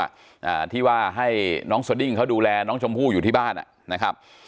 อ่าที่ว่าให้น้องสดิ้งเขาดูแลน้องชมพู่อยู่ที่บ้านอ่ะนะครับ